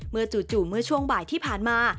จู่เมื่อช่วงบ่ายที่ผ่านมา